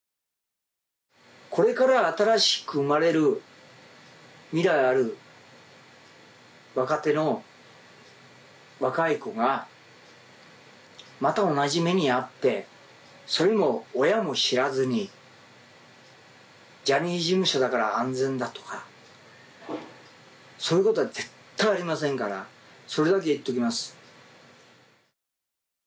これから新しく生まれる、未来ある若手の若い子が、また同じ目に遭って、それも親も知らずにジャニーズ事務所だから安全だとかそういうことは絶対ありませんから、それだけは言っておきます。